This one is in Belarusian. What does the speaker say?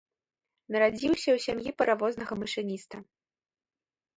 Нарадзіўся ў сям'і паравознага машыніста.